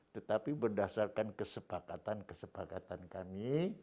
tetapi berdasarkan kesepakatan kesepakatan kami